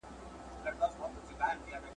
هم د زرکو هم د سوی په ځان بلا وو !.